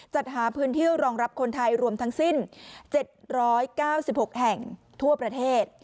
จัดหาพื้นที่รองรับคนไทยรวมทั้งสิ้น๗๙๖แห่งทั่วประเทศ